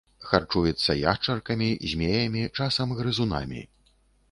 Харчуецца яшчаркамі, змеямі, часам грызунамі.